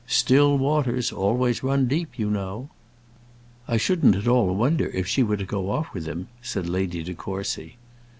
"Still waters always run deep, you know." "I shouldn't at all wonder if she were to go off with him," said Lady De Courcy.